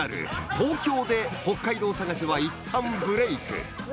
東京で北海道さがしはいったんブレーク